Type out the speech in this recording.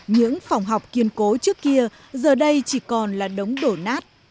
những phòng học kiên cố trước kia giờ đây chỉ còn là đống đổ nát